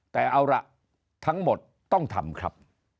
แต่เอาล่ะทั้งหมดต้องทำครับ